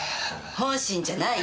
本心じゃない。